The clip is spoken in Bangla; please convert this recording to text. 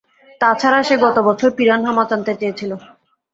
তাছাড়া সে গতবছর পিরানহা মাছ আনতে চেয়েছিল।